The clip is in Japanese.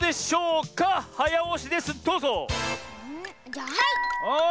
じゃあはい！